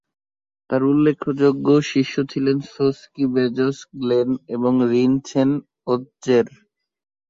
তার উল্লেখযোগ্য শিষ্য ছিলেন ছোস-ক্যি-ব্শেস-গ্ন্যেন এবং রিন-ছেন-'ওদ-জের।